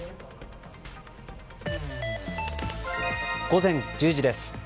午前１０時です。